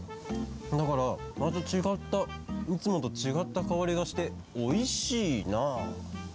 だからまたちがったいつもとちがったかおりがしておいしいな。